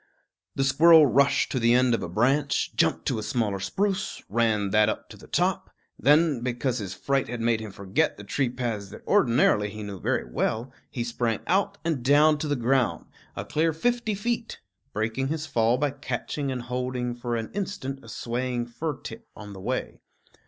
The squirrel rushed to the end of a branch, jumped to a smaller spruce, ran that up to the top; then, because his fright had made him forget the tree paths that ordinarily he knew very well, he sprang out and down to the ground, a clear fifty feet, breaking his fall by catching and holding for an instant a swaying fir tip on the way.